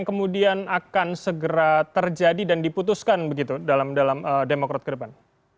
kemudian akan segera terjadi dan diputuskan begitu dalam demokrat ke depan